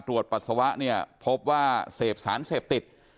ปัสสาวะเนี่ยพบว่าเสพสารเสพติด